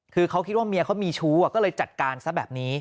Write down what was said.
คือเขาคิดว่าเมียเขามีชู้ก็เลยจัดการซะแบบนี้